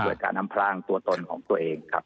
โดยการอำพลางตัวตนของตัวเองครับ